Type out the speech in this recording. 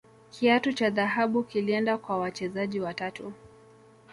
kiatu cha dhahabu kilienda kwa wachezaji watatu